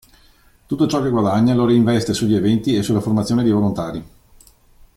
Tutto ciò che guadagna lo reinveste sugli eventi e sulla formazione dei volontari.